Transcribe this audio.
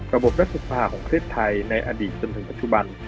ระบบรัฐศึกภาพของเทศไทยในอดีตจนถึงปัจจุบัน